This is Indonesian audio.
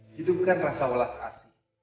hidupkan rasa walas asli